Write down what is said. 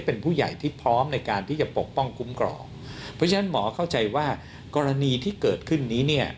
เพราะฉะนั้นหมอเข้าใจว่ากรณีที่เกิดขึ้นนี้เนี่ย